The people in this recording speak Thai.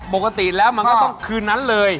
ปกติแล้วมันก็ต้องคืนนั้นเลย